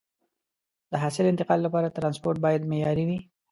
د حاصل انتقال لپاره ترانسپورت باید معیاري وي.